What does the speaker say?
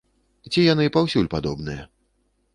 Ці яны паўсюль падобныя?